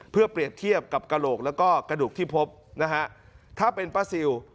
เพื่อเปรียบเทียบกับกระโหลกแล้วก็กระดูกที่พบนะฮะถ้าเป็นป้าซิล